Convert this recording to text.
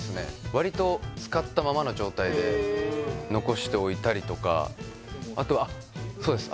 割と使ったままの状態で残しておいたりとかあとあっそうです